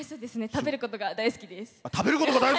食べることが大好きです。